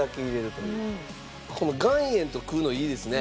この岩塩と食うのいいですね。